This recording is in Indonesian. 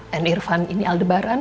dan irfan ini aldebaran